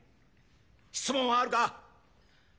質問はあるか？